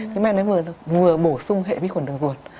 cái men đấy vừa bổ sung hệ vi khuẩn đường ruột